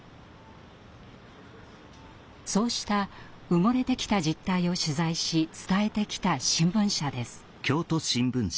そうした埋もれてきた実態を取材し伝えてきた新聞社です。